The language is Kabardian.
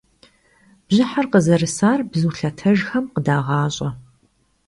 Bjıher khızerısar bzu lhetejjxem khıdağaş'e.